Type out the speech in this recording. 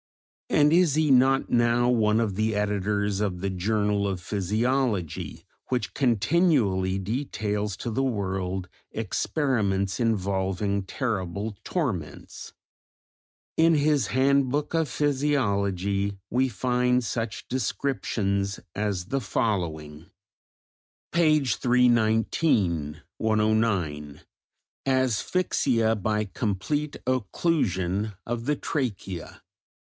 And is he not now one of the editors of the Journal of Physiology, which continually details to the world experiments involving terrible torments? In his "Handbook of Physiology" we find such descriptions as the following: Page 319. "(109). Asphyxia by complete Occlusion of the Trachea.